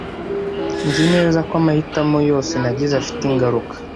Nzi neza ko amahitamo yose nagize afite ingaruka.